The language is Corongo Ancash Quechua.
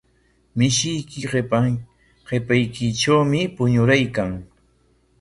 Mishiyki qipaykitrawmi puñuraykan.